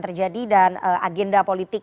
terjadi dan agenda politik